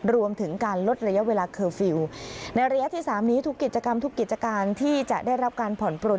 รวมถึงการลดระยะเวลาเคอร์ฟิลล์ในระยะที่สามนี้ทุกกิจกรรมทุกกิจการที่จะได้รับการผ่อนปลน